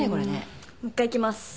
うんもう一回いきます。